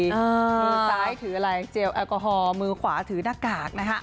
มือซ้ายถือเจลแอลกอฮอล์มือขวาถือหน้ากากนะครับ